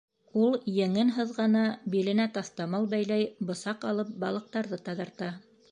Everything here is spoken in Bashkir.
Ул еңен һыҙғана, биленә таҫтамал бәйләй, бысаҡ алып балыҡтарҙы таҙарта.